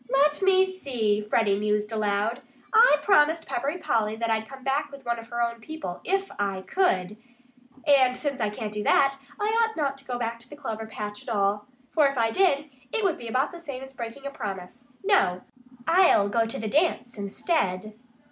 "Let me see!" Freddie mused aloud. "I promised Peppery Polly that I'd come back with one of her own people IF I COULD. And since I can't do that, I ought not to go back to the clover patch at all. For if I did, it would be about the same as breaking a promise. ... No! I'll go to the dance instead!"